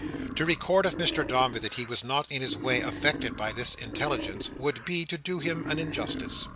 To record of Mr Dombey that he was not in his way affected by this intelligence, would be to do him an injustice.